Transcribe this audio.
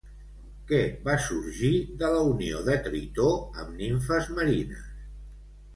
Què va sorgir de la unió de Tritó amb nimfes marines?